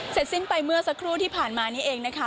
สิ้นไปเมื่อสักครู่ที่ผ่านมานี่เองนะคะ